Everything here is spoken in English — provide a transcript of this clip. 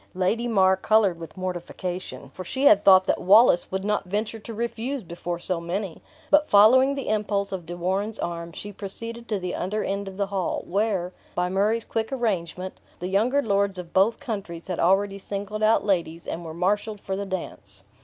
Lady Mar colored with mortification, for she had thought that Wallace would not venture to refuse before so many; but following the impulse of De Warenne's arm, she proceeded to the other end of the hall, where, by Murray's quick arrangement, the younger lords of both countries had already singled out ladies, and were marshaled for the dance.